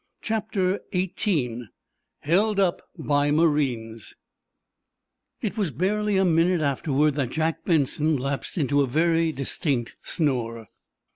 CHAPTER XVIII: HELD UP BY MARINES It was barely a minute afterward that Jack Benson lapsed into a very distinct snore.